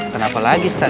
kenapa lagi setan